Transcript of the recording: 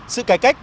sự cải cách